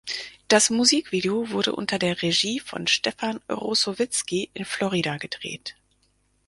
Das Musikvideo wurde unter der Regie von Stefan Ruzowitzky in Florida gedreht.